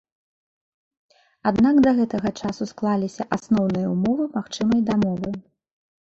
Аднак да гэтага часу склаліся асноўныя ўмовы магчымай дамовы.